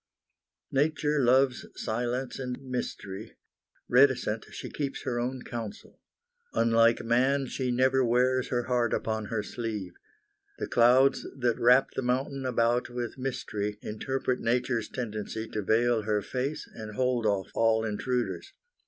Nature loves silence and mystery. Reticent, she keeps her own counsel. Unlike man, she never wears her heart upon her sleeve. The clouds that wrap the mountain about with mystery interpret nature's tendency to veil her face and hold off all intruders.